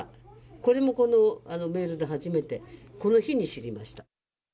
これもこのメールで初めて、この日に知りました。